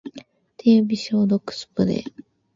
手指消毒スプレー